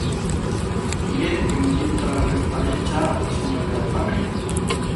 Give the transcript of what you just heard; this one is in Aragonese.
Mire que no tinrá res ta menchar y se morirá de fame.